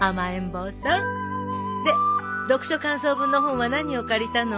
で読書感想文の本は何を借りたの？